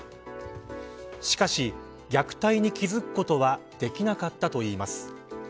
しかし虐待に気付くことはできなかったといいます。